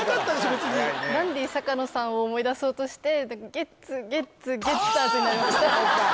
別にダンディ坂野さんを思い出そうとしてゲッツゲッツゲッターズになりました